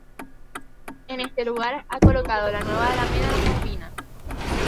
En este lugar ha colocado la nueva "Alameda Las Malvinas".